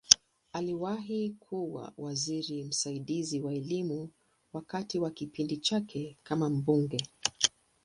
Aliwahi kuwa waziri msaidizi wa Elimu wakati wa kipindi chake kama mbunge.